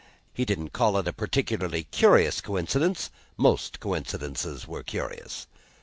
He didn't call it a particularly curious coincidence; most coincidences were curious.